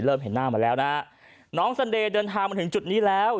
เห็นหน้ามาแล้วนะฮะน้องสันเดย์เดินทางมาถึงจุดนี้แล้ว